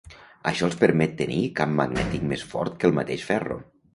Això els permet tenir camp magnètic més fort que el mateix ferro.